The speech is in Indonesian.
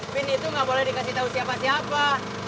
pin itu gak boleh dikasih tau siapa siapa